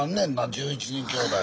１１人きょうだい。